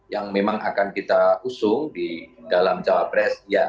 yang memang akan kita usung di dalam cawapres